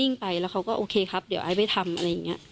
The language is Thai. ไปแล้วเขาก็โอเคครับเดี๋ยวไอ้ไปทำอะไรอย่างนี้